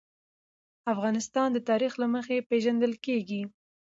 افغانستان د تاریخ له مخې پېژندل کېږي.